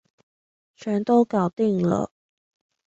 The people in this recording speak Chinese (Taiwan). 全都搞定了